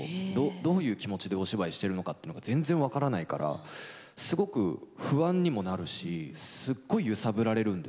どういう気持ちでお芝居してるのかっていうのが全然分からないからすごく不安にもなるしすっごい揺さぶられるんですよね。